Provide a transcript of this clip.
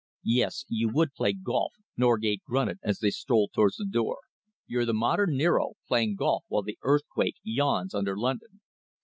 "Yes, you would play golf!" Norgate grunted, as they strolled towards the door. "You're the modern Nero, playing golf while the earthquake yawns under London."